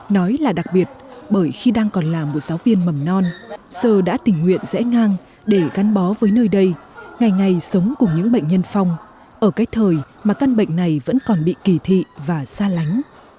nói là đặc biệt bởi khi đang còn là một giáo viên mầm non sơ đã tình nguyện rẽ ngang để gắn bó với nơi đây ngày ngày sống cùng những bệnh nhân phong ở cái thời mà căn bệnh này vẫn còn bị kỳ thị và xa lánh